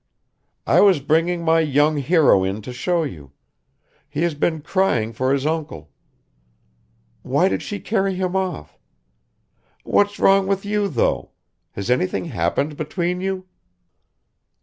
"I was bringing my young hero in to show you; he has been crying for his uncle. Why did she carry him off? What's wrong with you, though? Has anything happened between you?"